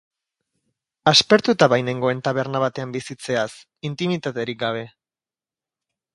Aspertuta bainengoen taberna batean bizitzeaz, intimitaterik gabe.